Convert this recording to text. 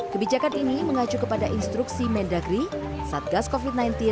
kebijakan ini mengacu kepada instruksi mendagri satgas covid sembilan belas